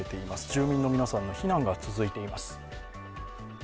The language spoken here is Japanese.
住民の皆さんの避難が続いています。